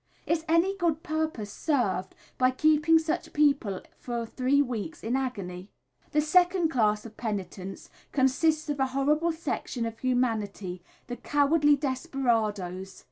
Is any good purpose served by keeping such people for three weeks in agony? The second class of "penitents" consists of a horrible section of humanity the cowardly desperadoes.